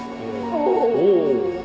お。